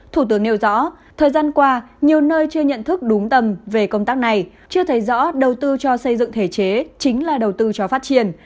thủ tướng nêu rõ thời gian qua nhiều nơi chưa nhận thức đúng tầm về công tác này chưa thấy rõ đầu tư cho xây dựng thể chế chính là đầu tư cho phát triển